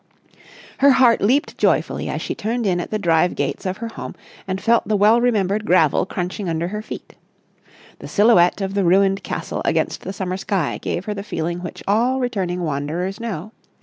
Her heart leaped joyfully as she turned in at the drive gates of her home and felt the well remembered gravel crunching under her feet. The silhouette of the ruined castle against the summer sky gave her the feeling which all returning wanderers know.